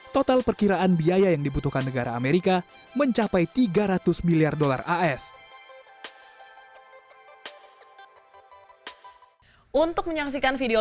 total perkiraan biaya yang dibutuhkan negara amerika mencapai tiga ratus miliar dolar as